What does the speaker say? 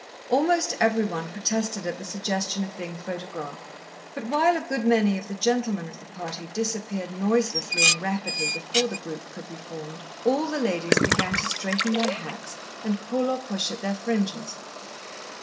Almost every one protested at the suggestion of being photographed, but while a good many of the gentlemen of the party disappeared noiselessly and rapidly before the group could be formed, all the ladies began to straighten their hats, and pull or push at their fringes.